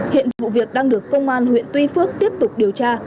hiện vụ việc đang được công an huyện tuy phước tiếp tục điều tra